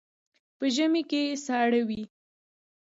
په ژمي کې ساړه وي.